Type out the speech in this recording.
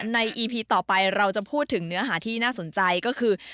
อีพีต่อไปเราจะพูดถึงเนื้อหาที่น่าสนใจก็คือ